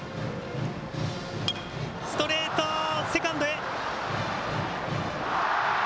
ストレート、セカンドへ。